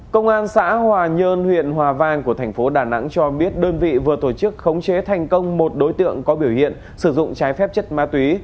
công an xã hòa nhơn huyện hòa vang của thành phố đà nẵng cho biết đơn vị vừa tổ chức khống chế thành công một đối tượng có biểu hiện sử dụng trái phép chất ma túy